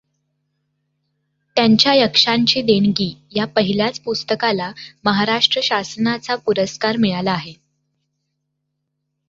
त्यांच्या यक्षांची देणगी या पहिल्याच पुस्तकाला महाराष्ट्र शासनाचा पुरस्कार मिळाला आहे.